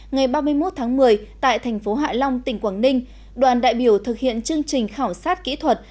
ngày ba mươi một tháng một mươi tại thành phố hạ long tỉnh quảng ninh đoàn đại biểu thực hiện chương trình khảo sát kỹ thuật